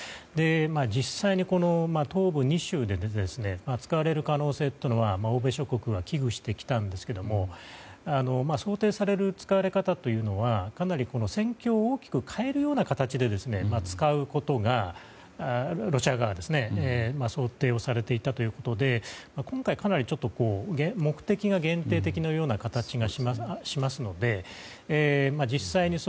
実際、東部２州で使われる可能性というのは欧米諸国が危惧してきたんですが想定される使われ方というのはかなり戦況を大きく変えるような形でロシア側が使うことが想定をされていたということで今回、かなり目的が限定的なような形がしますので。